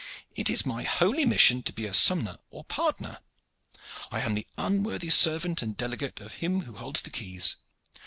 "It is my holy mission to be a sompnour or pardoner. I am the unworthy servant and delegate of him who holds the keys.